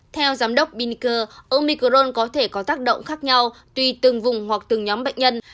theo giám đốc binker omicron có thể có tác động khác nhau tùy từng vùng hoặc từng nhóm bệnh nhân